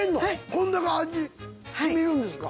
こんだけ味染みるんですか？